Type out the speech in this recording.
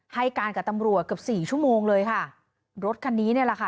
ให้การกับตำรวจเกือบสี่ชั่วโมงเลยค่ะรถคันนี้เนี่ยแหละค่ะ